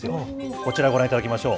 こちらご覧いただきましょう。